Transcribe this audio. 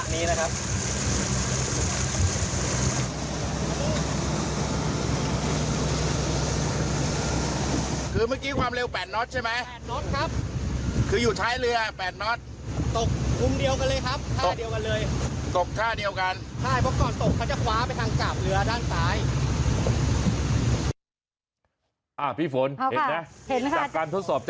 นี่นะครับที่บอกว่าคุณจังโงจากขานะครับ